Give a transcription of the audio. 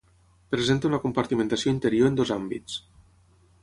Presenta una compartimentació interior en dos àmbits.